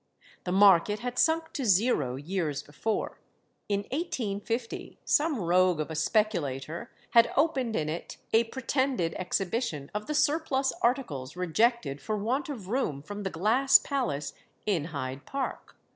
The market had sunk to zero years before. In 1850 some rogue of a speculator had opened in it a pretended exhibition of the surplus articles rejected for want of room from the glass palace in Hyde Park.